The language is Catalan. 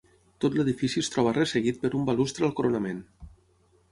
Tot l'edifici es troba resseguit per un balustre al coronament.